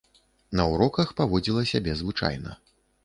На уроках паводзіла сябе звычайна.